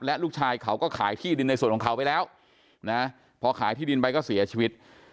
และลูกชายเขาก็ขายที่ดินในส่วนของเขาไปแล้วนะพอขายที่ดินไปก็เสียชีวิต